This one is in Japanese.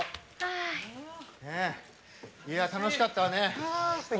楽しかったわね。